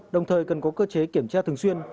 đồng thời cần có cơ chế kiểm tra thường xuyên